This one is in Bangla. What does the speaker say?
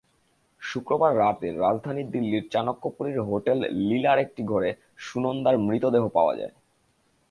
শুক্রবার রাতে রাজধানী দিল্লির চাণক্যপুরীর হোটেল লীলার একটি ঘরে সুনন্দার মৃতদেহ পাওয়া যায়।